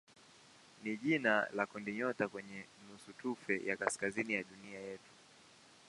ni jina la kundinyota kwenye nusutufe ya kaskazini ya dunia yetu.